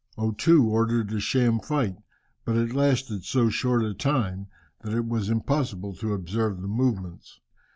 O Too ordered a sham fight, but it lasted so short a time that it was impossible to observe the movements.